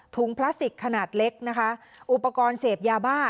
พลาสติกขนาดเล็กนะคะอุปกรณ์เสพยาบ้า